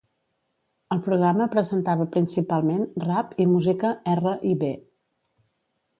El programa presentava principalment rap i música R i B.